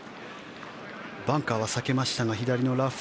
バンカーは避けましたが左のラフ。